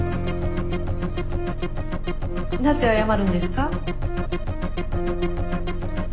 なぜ謝るんですか？